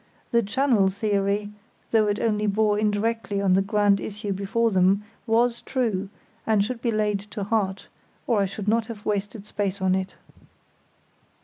The "channel theory", though it only bore indirectly on the grand issue before them, was true, and should be laid to heart, or I should not have wasted space on it.